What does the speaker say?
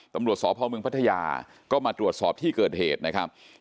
ตำรวจสพมพัทยาก็มาตรวจสอบที่เกิดเหตุนะครับ